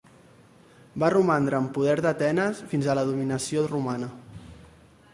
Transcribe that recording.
Va romandre en poder d'Atenes fins a la dominació romana.